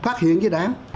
phát hiện với đảng